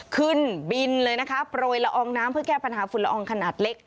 ขึ้นบินเลยนะคะโปรยละอองน้ำเพื่อแก้ปัญหาฝุ่นละอองขนาดเล็ก